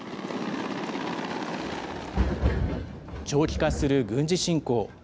長期化する軍事侵攻。